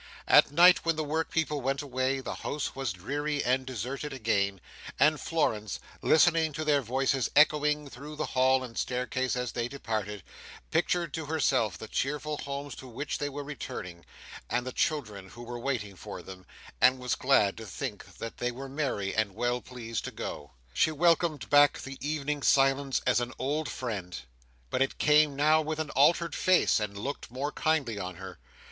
At night, when the workpeople went away, the house was dreary and deserted again; and Florence, listening to their voices echoing through the hall and staircase as they departed, pictured to herself the cheerful homes to which they were returning, and the children who were waiting for them, and was glad to think that they were merry and well pleased to go. She welcomed back the evening silence as an old friend, but it came now with an altered face, and looked more kindly on her.